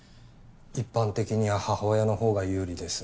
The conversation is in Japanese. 一般的には母親の方が有利です。